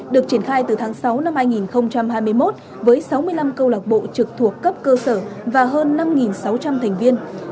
được triển khai từ tháng sáu năm hai nghìn hai mươi một với sáu mươi năm câu lạc bộ trực thuộc cấp cơ sở và hơn năm sáu trăm linh thành viên